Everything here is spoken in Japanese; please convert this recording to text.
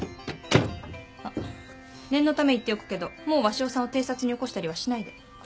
あっ念のため言っておくけどもう鷲尾さんを偵察によこしたりはしないで。